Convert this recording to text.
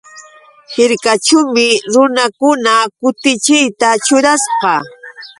Hirkaćhuumi runakuna kutichiyta ćhurasqa.